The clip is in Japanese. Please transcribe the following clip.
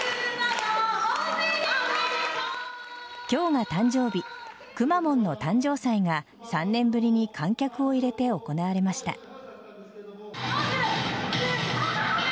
今日が誕生日くまモンの誕生祭が３年ぶりに観客を入れて行われました。